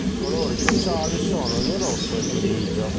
I colori sociali sono il rosso ed il grigio.